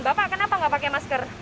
bapak kenapa nggak pakai masker